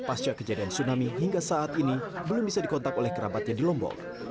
pasca kejadian tsunami hingga saat ini belum bisa dikontak oleh kerabatnya di lombok